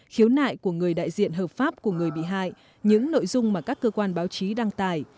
khiếu nại của người đại diện hợp pháp của người bị hại những nội dung mà các cơ quan báo chí đăng tải